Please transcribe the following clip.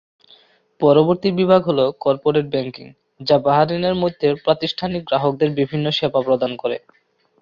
পরবর্তী বিভাগ হল কর্পোরেট ব্যাংকিং যা বাহরাইনের মধ্যে প্রাতিষ্ঠানিক গ্রাহকদের বিভিন্ন সেবা প্রদান করে।